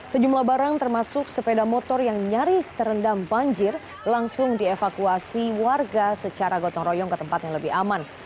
sejumlah barang termasuk sepeda motor yang nyaris terendam banjir langsung dievakuasi warga secara gotong royong ke tempat yang lebih aman